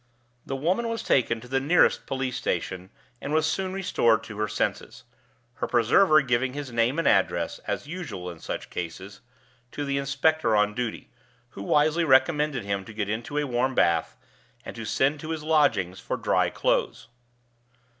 The woman was taken to the nearest police station, and was soon restored to her senses, her preserver giving his name and address, as usual in such cases, to the inspector on duty, who wisely recommended him to get into a warm bath, and to send to his lodgings for dry clothes.